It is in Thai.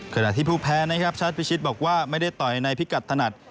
ขณะที่ผู้แพ้นะครับชาติพิชิตบอกว่าไม่ได้ต่อยในพิกัดถนัด